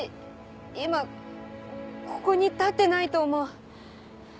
今ここに立ってないと思う。